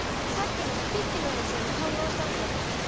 さっきのピッピの演奏に反応したんじゃない？